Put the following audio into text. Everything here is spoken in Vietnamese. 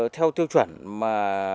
theo tiêu chuẩn mà